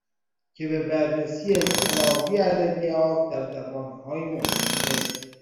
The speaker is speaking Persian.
که به بررسی تلاقی ادبیات در زبانهای مختلف